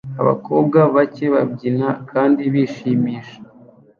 Abakobwa bake babyina kandi bishimisha